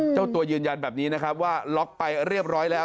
เจ้าตัวยืนยันแบบนี้นะครับว่าล็อกไปเรียบร้อยแล้ว